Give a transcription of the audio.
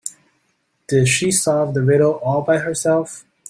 Did she solve the riddle all by herself?